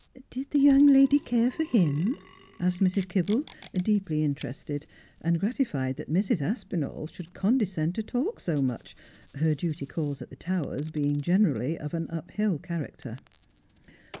' Did the young lady care for him V asked Mrs. Kibble, deeply interested, and gratified that Mrs. Aspinall should condescend to talk so much, her duty calls at the Towers being generally of an up hill character.